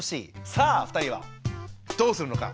さあ２人はどうするのか。